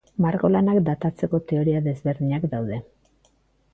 Margolanak datatzeko teoria desberdinak daude.